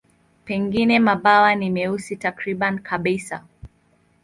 Pengine mabawa ni meusi takriban kabisa.